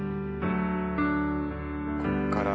ここから。